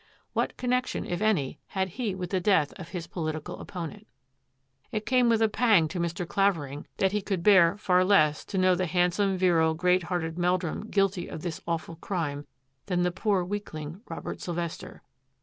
What con nection, if any, had he with the death of his politi cal opponent ? It came with a pang to Mr. Claver ing that he could bear far less to know the handsome, virile, great hearted Meldrum guilty of this awful crime than the poor weakling, Robert Sylvester.